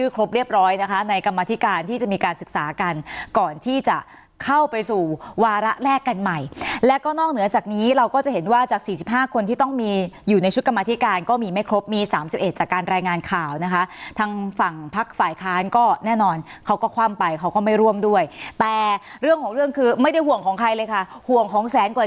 ครบเรียบร้อยนะคะในกรรมธิการที่จะมีการศึกษากันก่อนที่จะเข้าไปสู่วาระแรกกันใหม่แล้วก็นอกเหนือจากนี้เราก็จะเห็นว่าจากสี่สิบห้าคนที่ต้องมีอยู่ในชุดกรรมธิการก็มีไม่ครบมี๓๑จากการรายงานข่าวนะคะทางฝั่งพักฝ่ายค้านก็แน่นอนเขาก็คว่ำไปเขาก็ไม่ร่วมด้วยแต่เรื่องของเรื่องคือไม่ได้ห่วงของใครเลยค่ะห่วงของแสนกว่า